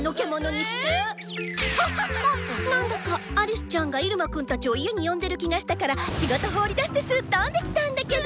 ええっ⁉まぁなんだかアリスちゃんがイルマくんたちを家に呼んでる気がしたから仕事放りだしてすっ飛んできたんだけど。